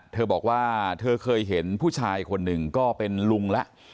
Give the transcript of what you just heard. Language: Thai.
เธอบอกว่าเธอเคยเห็นผู้ชายคนหนึ่งก็เป็นลุงแล้ว